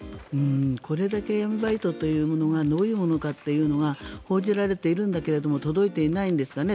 これだけ闇バイトというものがどういうものかというのが報じられているんだけど届いていないんですかね。